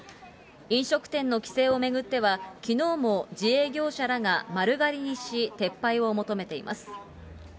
飲食店の規制を巡っては、きのうも自営業者らが丸刈りにし、撤廃を求めています。